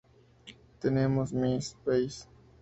Tenemos MySpace.